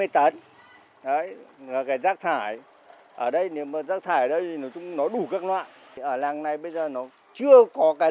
hai mươi tấn cái rác thải ở đây rác thải ở đây nó đủ các loại ở làng này bây giờ nó chưa có cái